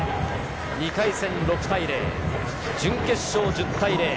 ２回戦６対０、準決勝１０対０。